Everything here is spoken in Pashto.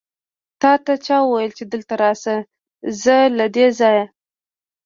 تاته چا وويل چې دلته راشه؟ ځه له دې ځايه!